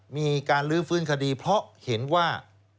มีการลื้อฟื้นคดีเพราะเห็นว่า